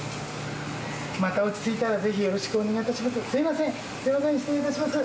また落ち着いたらぜひよろしくお願いいたします。